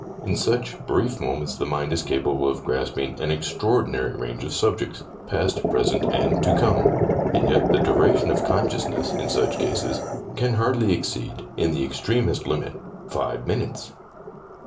In such brief moments the mind is capable of grasping an extraordinary range of subjects, past, present, and to come ; and yet the duration of consciousness in such cases can hardly exceed, in the extremest limit, five minutes.